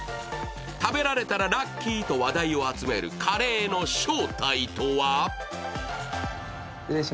食べられたらラッキーとの話題を集めるカレーの正体とは？